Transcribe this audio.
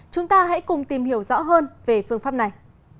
chúng ta hãy cùng tìm hiểu rõ hơn về phương pháp này